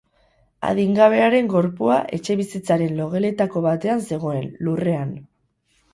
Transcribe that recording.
Adingabearen gorpua etxebizitzaren logeletako batean zegoen, lurrean.